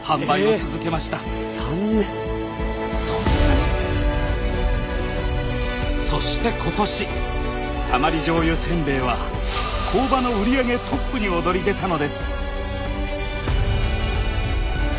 そんなに⁉そして今年たまり醤油せんべいは工場の売り上げトップに躍り出たのです。